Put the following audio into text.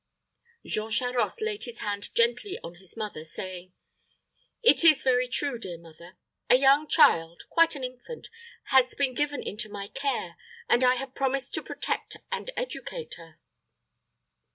Jean Charost laid his hand gently on his mother, saying, "It is very true, dear mother. A young child quite an infant has been given into my care, and I have promised to protect and educate her."